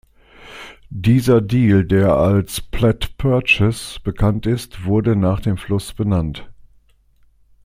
Dieser Deal, der als "Platte Purchase" bekannt ist, wurde nach dem Fluss benannt.